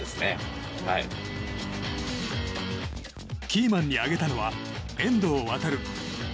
キーマンに挙げたのは遠藤航。